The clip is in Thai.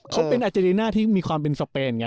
เขาเป็นอาเจริน่าที่มีความเป็นสเปนไง